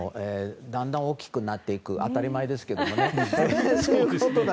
だんだん大きくなっていく当たり前ですけどね。